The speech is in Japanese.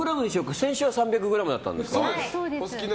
先週は３００ｇだったんですか。